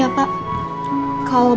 bapak bisa mencari keuntungan